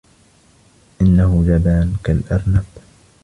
إنه جبان كالأرنب.